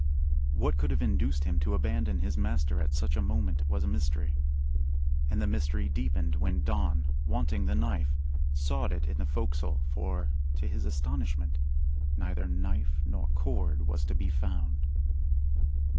What could have induced him to abandon his master at such a moment was a mystery. And the mystery deepened when Don, wanting the knife, sought it in the "fo'csle," for, to his astonishment, neither knife nor cord was to be found.